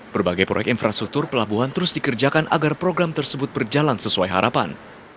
berbagai proyek infrastruktur pelabuhan terus dikerjakan agar program tersebut berjalan sesuai harapan